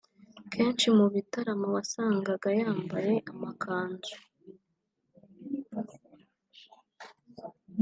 Kenshi mu bitaramo wasangaga yambaye amakanzu